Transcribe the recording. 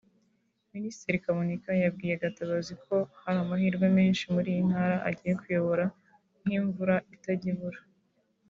Minisitiri Kaboneka yabwiye Gatabazi ko hari amahirwe menshi muri iyi ntara agiye kuyobora; nk’imvura itajya ibura